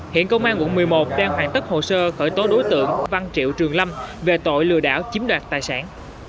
hiện công an quận một mươi một đang hoàn tất hồ sơ khởi tố đối tượng văn triệu trường lâm về tội lừa đảo chiếm đoạt tài sản